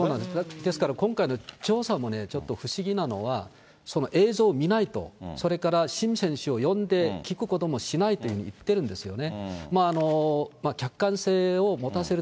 ですから今回の調査もね、ちょっと不思議なのは、映像を見ないと、それからシム選手を呼んで聞くこともしないというふうに言ってるんですよね。